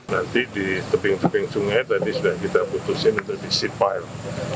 nanti di teping teping sungai tadi sudah kita putusin menjadi seat pile